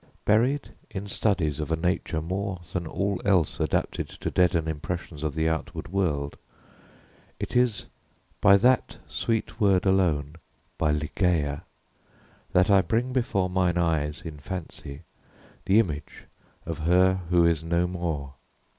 Buried in studies of a nature more than all else adapted to deaden impressions of the outward world, it is by that sweet word alone by Ligeia that I bring before mine eyes in fancy the image of her who is no more.